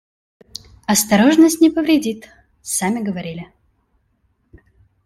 Осторожность не повредит, сами говорили.